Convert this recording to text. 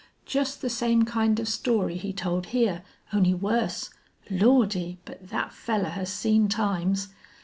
Jest the same kind of story he told hyar, only wuss. Lordy! but thet fellar has seen times.